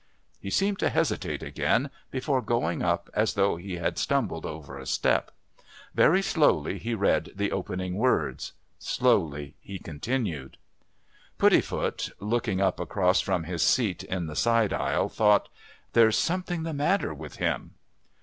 He seemed to hesitate again before going up as though he had stumbled over a step. Very slowly he read the opening words; slowly he continued. Puddifoot, looking up across from his seat in the side aisle, thought, "There's something the matter with him."